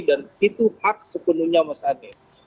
dan itu hak sepenuhnya mas anies